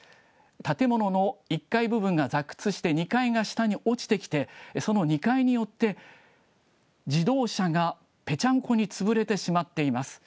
建物の１階部分がざくつして２階が下に落ちてきて、その２階によって、自動車がぺちゃんこに潰れてしまっています。